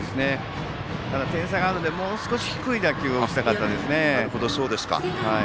点差があるのでもう少し低い打球を打ちたかったですね。